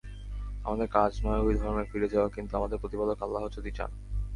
আমাদের কাজ নয় ঐ ধর্মে ফিরে যাওয়া কিন্তু আমাদের প্রতিপালক আল্লাহ যদি চান।